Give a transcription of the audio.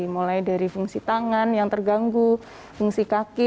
mulai dari fungsi tangan yang terganggu fungsi kaki